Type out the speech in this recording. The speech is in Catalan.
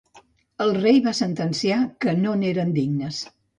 El rei va sentenciar que no n'eren dignes.